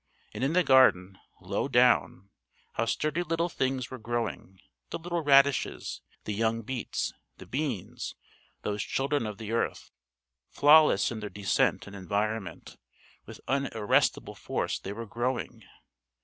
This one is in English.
And in the garden, low down, how sturdy little things were growing: the little radishes, the young beets, the beans those children of the earth, flawless in their descent and environment with what unarrestable force they were growing!